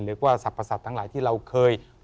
หรือว่าศัพท์ศัตริย์ทั้งหลายที่เราเคยล่วงเกิน